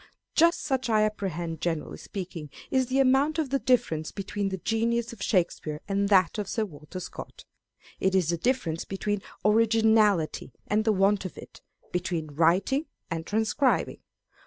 Just such I apprehend, generally speaking, is the amount of the difference between the genius of Shakespeare and that of Sir Walter Scott. It is the difference between originality and the want of it, between writing and transcribing.